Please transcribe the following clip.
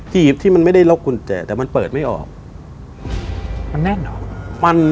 ีบที่มันไม่ได้ล็อกกุญแจแต่มันเปิดไม่ออกมันแน่นเหรอ